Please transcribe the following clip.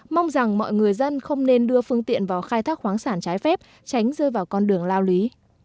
mong rằng mọi người dân không nên đưa phương tiện vào khai thác khoáng sản trái phép tránh rơi vào con đường lao lý